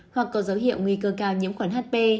hoặc có dấu hiệu nguy cơ cao nhiễm khuẩn hp